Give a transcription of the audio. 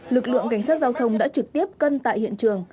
lực lượng cảnh sát giao thông đã trực tiếp cân tại hiện trường